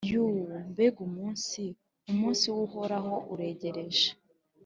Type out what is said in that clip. Yuu! Mbega umunsi! Umunsi w’Uhoraho uregereje!